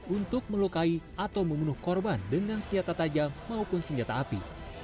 untuk melukai atau membunuh korban dengan senjata tajam maupun senjata api